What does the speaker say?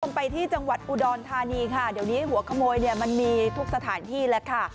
ไปที่จังหวัดอุดรธานีค่ะเดี๋ยวนี้หัวขโมยเนี่ยมันมีทุกสถานที่แล้วค่ะ